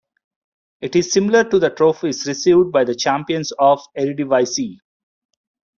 It is similar to the trophies received by the champions of the Eredivisie.